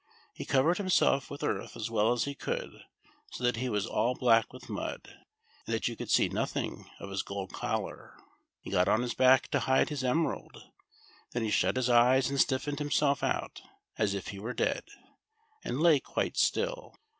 He covered him self with earth as well as he could, so that he was all black with mud, and that you could see nothing of his gold collar ; he got on his back to hide his emerald, then he shut his eyes and stiffened him self out as if he were dead, and lay quite still.